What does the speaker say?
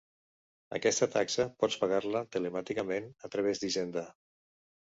Aquesta taxa pots pagar-la telemàticament a través d'Hisenda.